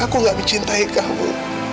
aku gak mencintai kamu